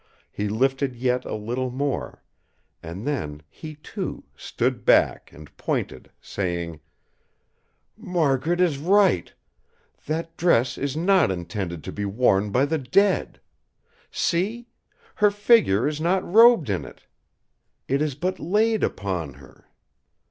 He lifted yet a little more; and then he, too, stood back and pointed, saying: "Margaret is right! That dress is not intended to be worn by the dead! See! her figure is not robed in it. It is but laid upon her."